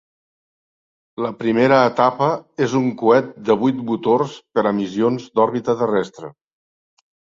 La primera etapa és un coet de vuit motors per a missions d'òrbita terrestre.